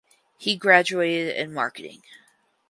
He graduated in marketing.